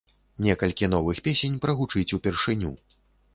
Некалькі новых песень прагучыць упершыню.